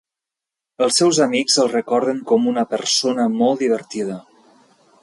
Els seus amics el recorden com una persona molt divertida.